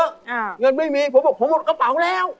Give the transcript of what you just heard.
อ่าเงินไม่มีผมบอกผมหมดกระเป๋าแล้ว